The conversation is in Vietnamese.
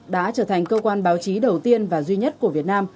đã trở thành cơ quan báo chí đầu tiên và duy nhất của việt nam